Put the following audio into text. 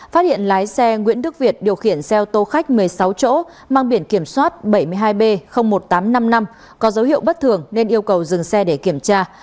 phát hiện lái xe nguyễn đức việt điều khiển xe ô tô khách một mươi sáu chỗ mang biển kiểm soát bảy mươi hai b một nghìn tám trăm năm mươi năm có dấu hiệu bất thường nên yêu cầu dừng xe để kiểm tra